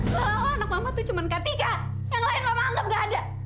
kalau anak mama tuh cuma kak tika yang lain mama anggap nggak ada